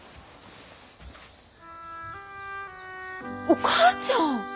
お母ちゃん！